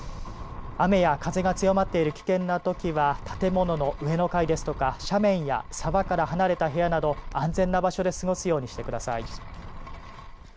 雨や風が強まっている危険なときは建物の上の階ですとか斜面やさわから離れた部屋などと安全な場所で過ごすようにしてください。